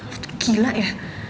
lu tuh gila ya